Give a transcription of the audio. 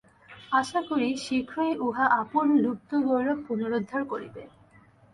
আশা করি, শীঘ্রই উহা আপন লুপ্তগৌরব পুনরুদ্ধার করিবে।